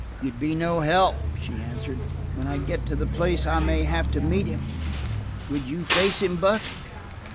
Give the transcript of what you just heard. "You'd be no help," she answered. "When I get to the place I may have to meet him! Would you face him, Buck?"